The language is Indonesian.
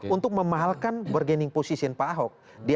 untuk memahalkan bergening posisi pak ahok